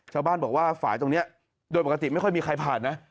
ชาวบ้านบอกว่าฝ่ายตรงนี้โดยปกติไม่ค่อยมีใครผ่านนะ